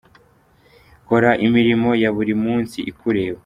Kora imirimo ya buri munsi ikureba.